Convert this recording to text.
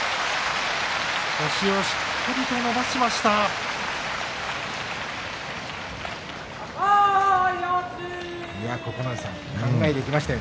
星をしっかりと伸ばしました。